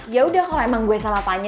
yaudah kalo emang gue sama tanya